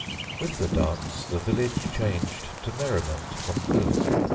With the dance The village changed to merriment from gloom.